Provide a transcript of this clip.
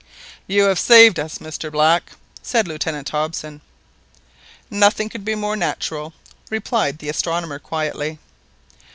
"You have saved us, Mr Black," said Lieutenant Hobson. "Nothing could be more natural," replied the astronomer quietly.